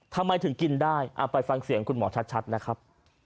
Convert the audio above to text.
ทำไมถึงกินได้ไปฟังเสียงคุณหมอชัดนะครับ